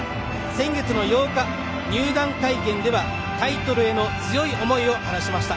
先月の８日、入団会見ではタイトルへの強い思いを話しました。